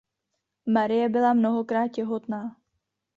Marie byla mnohokrát těhotná.